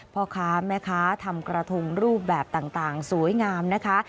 พ่อค้าแม่ค้าทำกระทงรูปแบบต่างสวยงามนะคะ